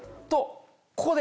ここで。